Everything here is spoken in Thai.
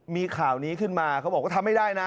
มีข่าวนี้ขึ้นมาเขาบอกว่าทำไม่ได้นะ